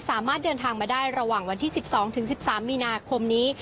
สามารถเดินทางมาได้ระหว่างวันที่๑๒๑๓มีนาคมนี้